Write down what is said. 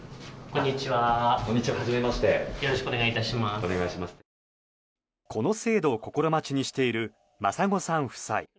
この制度を心待ちにしている眞砂さん夫妻。